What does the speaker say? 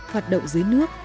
hoạt động dưới nước